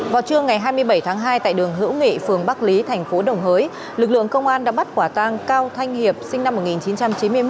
vào trưa ngày hai mươi bảy tháng hai tại đường hữu nghị phường bắc lý thành phố đồng hới lực lượng công an đã bắt quả tang cao thanh hiệp sinh năm một nghìn chín trăm chín mươi một